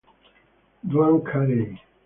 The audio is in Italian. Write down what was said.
Duane Carey